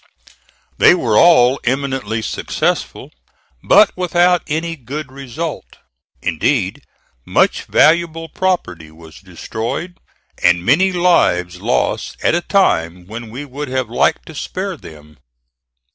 They were all eminently successful, but without any good result. Indeed much valuable property was destroyed and many lives lost at a time when we would have liked to spare them.